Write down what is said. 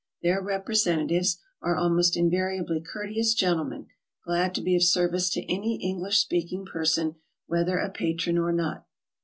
Their representatives are almost invariably courteous gentlemen, glad to be of service to any English speaking person, whether a patron or not.